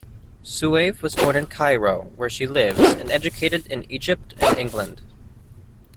Soueif was born in Cairo, where she lives, and educated in Egypt and England.